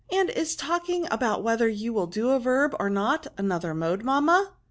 And i» talking about whether you will do a verb or not, another mode, mamma